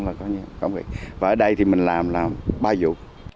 và ở đây thì mình làm là ba vụ